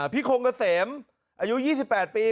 พี่โคงเกษมอายุ๒๘ปี